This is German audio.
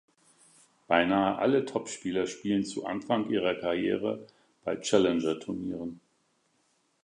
Beinahe alle Topspieler spielen zu Anfang ihrer Karriere bei Challenger-Turnieren.